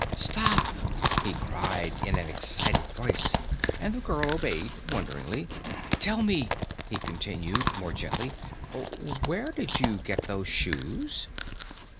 "Stop!" he cried in an excited voice, and the girl obeyed, wonderingly. "Tell me," he continued, more gently, "where did you get those shoes?"